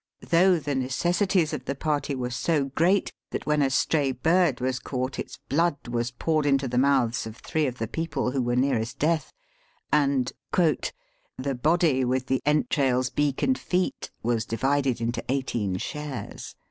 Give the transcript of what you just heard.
Though the neces sities of the party were so great, that when a stray bird was caught, its blood was poured into the mouths of three of the people who were nearest death, and "the body, with the entrails, beak, and feet, was divided into eighteen shares."